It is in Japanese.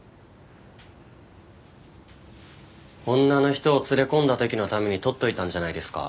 女の人を連れ込んだ時のためにとっておいたんじゃないですか。